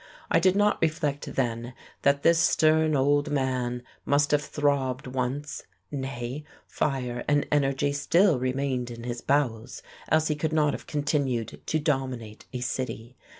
I did not reflect then that this stern old man must have throbbed once; nay, fire and energy still remained in his bowels, else he could not have continued to dominate a city.